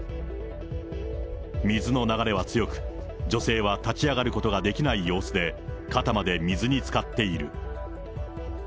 水の流れは強く、女性は立ち上がることができない様子で、肩まで水につかっている。